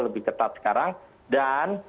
lebih ketat sekarang dan